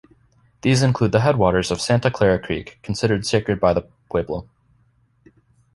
These include the headwaters of Santa Clara Creek, considered sacred by the Pueblo.